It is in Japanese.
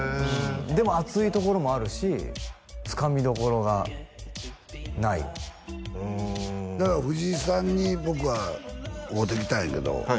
でも熱いところもあるしつかみどころがないああだから藤井さんに僕は会うてきたんやけど